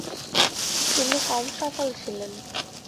তিনি কম সফল ছিলেন।